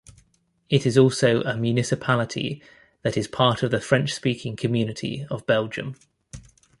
It is also a municipality that is part of the French-speaking Community of Belgium.